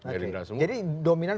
grindra semua jadi dominan